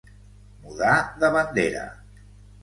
Mudar de bandera.